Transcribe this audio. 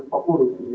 dari kpu ri